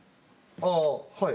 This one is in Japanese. ああはい。